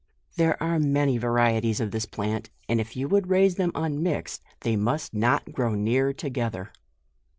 There are many varieties of this plant, and if you would raise them unmixed, they must not grow near together.